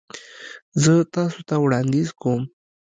زه تاسو ته وړاندیز کوم